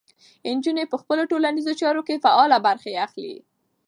نجونې په خپلو ټولنیزو چارو کې فعالې برخې اخلي.